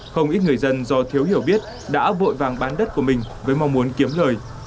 không ít người dân do thiếu hiểu biết đã vội vàng bán đất của mình với mong muốn kiếm lời